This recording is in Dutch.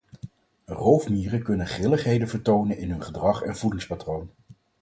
Roofmieren kunnen grilligheden vertonen in hun gedrag en voedingspatroon.